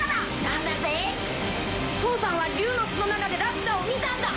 何だって⁉父さんは竜の巣の中でラピュタを見たんだ！